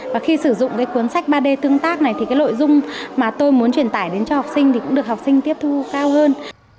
và khi sử dụng cái cuốn sách ba d tương tác này thì cái nội dung mà tôi muốn truyền tải đến cho học sinh thì cũng được học sinh tiếp thu cao hơn